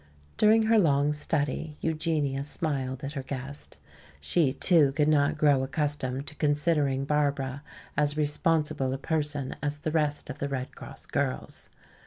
During her long study Eugenia smiled at her guest. She too could not grow accustomed to considering Barbara as responsible a person as the rest of the Red Cross girls.